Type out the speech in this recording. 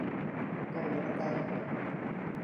กล้องวัดระดับ